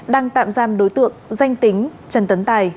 đang tạm giam đối tượng danh tính trần tấn tài